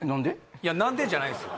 いや何でじゃないですよ